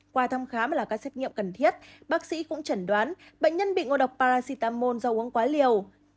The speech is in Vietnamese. qua thăm khám là các xét nghiệm cần thiết bác sĩ cũng chẩn đoán bệnh nhân bị ngộ độc paracetamol do uống quá liều